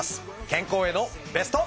健康へのベスト。